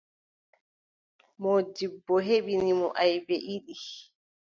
Moodibbo heɓini mo aybe ɗiɗi.